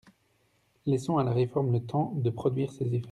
Laissons à la réforme le temps de produire ses effets.